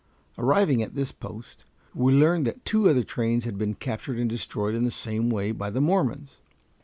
Arriving at this post, we learned that two other trains had been captured and destroyed in the same way by the Mormons.